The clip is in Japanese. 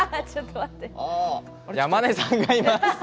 山根さんがいます！